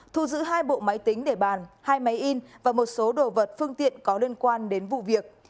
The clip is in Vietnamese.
thu giữ hai bộ máy tính để bàn hai máy in và một số đồ vật phương tiện có liên quan đến vụ việc